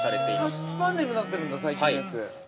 ◆タッチパネルになってるんだ最近のやつ。